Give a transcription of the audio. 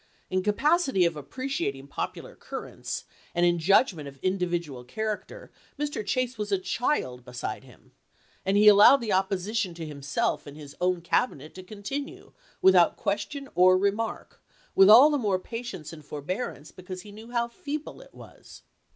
In capacity of appreciating popular currents and in judgment of individual character Mr. Chase was as a child beside him ; and he allowed the opposition to himself in his own Cabinet to continue, without question or remark, with all the more patience and forbearance because he knew how feeble it was.